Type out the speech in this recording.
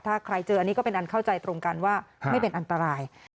ถ้าใครเจออันนี้ก็เป็นอันเข้าใจตรงกันว่าไม่เป็นอันตราย